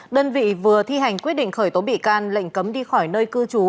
đơn vị vừa thi hành quyết định khởi tố bị can lệnh cấm đi khỏi nơi cư trú